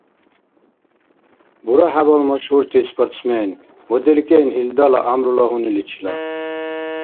Бура хӀябал машгьурти спортсмен ва делкӀен илдала гӀямрула гьуниличила